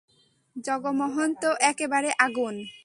জগমোহন তো একেবারে আগুন।